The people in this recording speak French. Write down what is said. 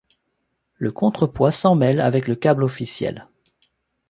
Le contrepoids s'emmêle avec le câble officiel.